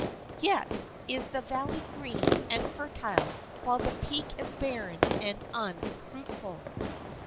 Yet is the valley green and fertile, while the peak is barren and unfruitful.